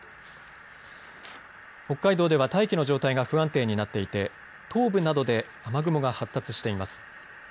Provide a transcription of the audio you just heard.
北海道では大気の状態が不安定になっていて東部などで雨雲が発達しています。